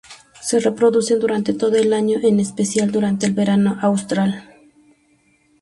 Se reproducen durante todo el año, en especial durante el verano austral.